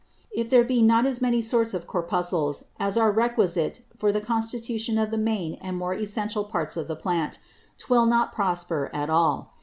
If there be not as many sorts of Corpuscles as are requisite for the Constitution of the main and more essential Parts of the Plant, 'twill not prosper at all.